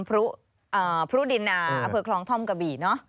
พรุดินภูเผื่อคลองท่อมกระบีเนอะ